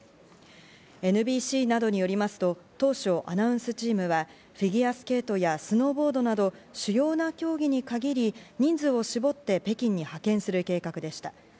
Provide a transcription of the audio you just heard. ＮＢＣなどによりますと、当初アナウンスチームはフィギュアスケートやスノーボードなど主要な競技に限り人数を絞って北京に派遣する計画でした。